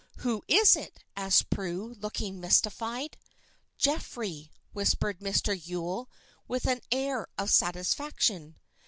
"Who is it?" asked Prue, looking mystified. "Geoffrey," whispered Mr. Yule, with an air of satisfaction.